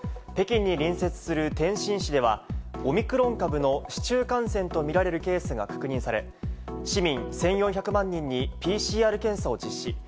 北京に隣接する天津市では、オミクロン株の市中感染と見られるケースが確認され、市民１４００万人にＰＣＲ検査を実施。